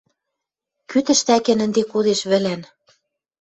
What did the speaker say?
Кӱ тӹштӓкен ӹнде кодеш вӹлӓн: